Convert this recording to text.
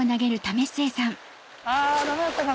あダメだったかな？